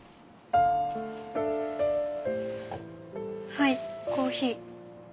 はいコーヒー。